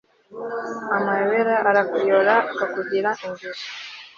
amayobera arakuyora akakugira injiji